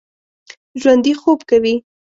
ژوندي خوب کوي